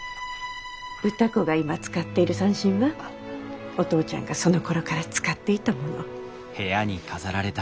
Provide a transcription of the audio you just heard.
歌子が今使っている三線はお父ちゃんがそのころから使っていたもの。